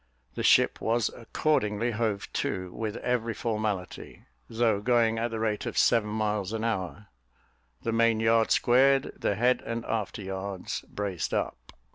The ship was accordingly hove to with every formality, though going at the rate of seven miles an hour: the main yard squared, the head and after yards braced up.